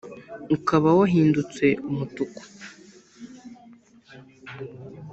Ukaba wahindutse umutuku